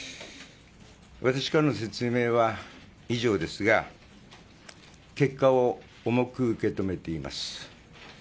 私からの説明は以上ですが結果を重く受け止めています。